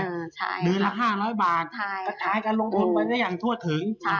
นื้อละ๕๐๐บาทก็สามารถการลงทุนไปได้อย่างทั่วถึง